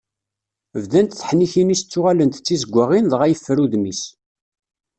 Bdant teḥnikin-is ttuɣalent d tizeggaɣin, dɣa yeffer udem-is.